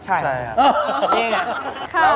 ใช่